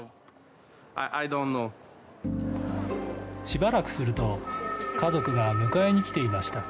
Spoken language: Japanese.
しばらくすると家族が迎えに来ていました。